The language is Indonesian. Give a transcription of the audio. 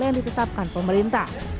yang ditetapkan pemerintah